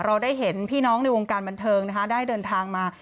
เราได้เห็นพี่น้องในวงการบันเทิงนะคะได้เดินทางมา